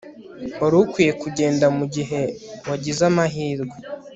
Wari ukwiye kugenda mugihe wagize amahirwe